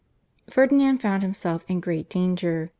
Ferdinand found himself in great danger.